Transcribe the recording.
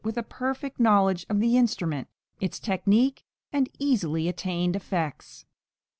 } (415) with a perfect knowledge of the instrument, its technique and easily attained effects.